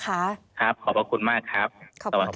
ครับขอบพระคุณมากครับ